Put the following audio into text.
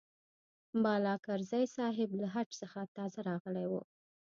بالاکرزی صاحب له حج څخه تازه راغلی و.